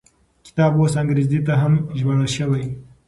کتاب اوس انګریزي ته هم ژباړل شوی.